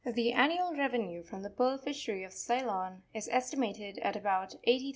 The annual revenue from the pearl fishery of Ceylon is esti mated at about $80,000.